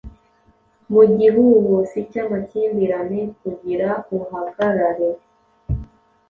Mu gihuhusi cyamakimbirane kugira uhagarare